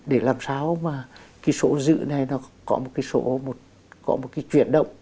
để làm sao mà cái số giữ này có một cái chuyển động